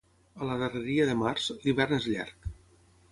A la darreria de març, l'hivern és llarg.